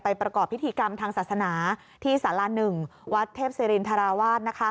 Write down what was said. ประกอบพิธีกรรมทางศาสนาที่สาร๑วัดเทพศิรินทราวาส